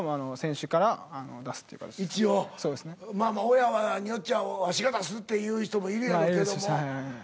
親によっちゃわしが出すっていう人もいるやろけども。